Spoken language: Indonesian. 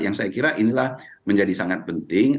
yang saya kira inilah menjadi sangat penting